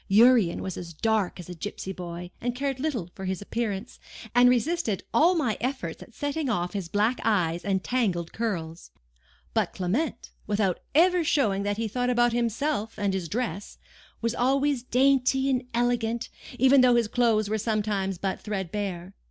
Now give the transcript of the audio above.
Urian was as dark as a gipsy boy, and cared little for his appearance, and resisted all my efforts at setting off his black eyes and tangled curls; but Clement, without ever showing that he thought about himself and his dress, was always dainty and elegant, even though his clothes were sometimes but threadbare.